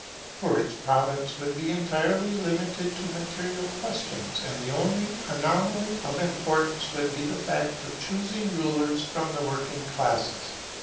For its province would be entirely limited to material questions, and the only anomaly of importance would be the fact of choosing rulers from the working classes.